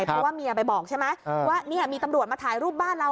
เพราะว่าเมียไปบอกใช่ไหมว่าเนี่ยมีตำรวจมาถ่ายรูปบ้านเรา